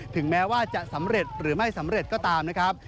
ถึงแม้ว่าจะสำเร็จหรือไม่สำเร็จก็ตามนะครับ